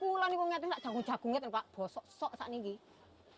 putu kulon ini kuketan ini jagung jagung pak